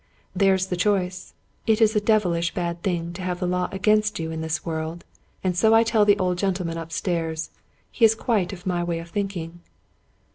There's the choice. It is a devilish bad thing to have the law against you in this world, and so I tell the old gentleman upstairs. He is quite of my way of thinking."